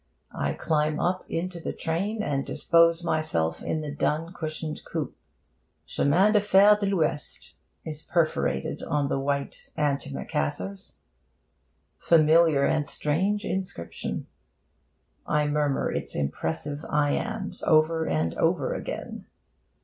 I climb up into the train, and dispose myself in the dun cushioned coupe'. 'Chemins de Fer de l'Ouest' is perforated on the white antimacassars. Familiar and strange inscription! I murmur its impressive iambs over and over again.